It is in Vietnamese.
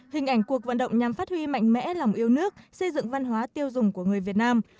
hình ảnh cuộc vận động nhằm phát huy mạnh mẽ lòng yêu nước xây dựng văn hóa tiêu dùng của người việt nam